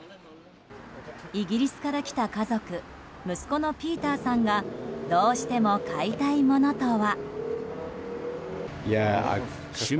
イギリスから来た家族息子のピーターさんがどうしても買いたいものとは。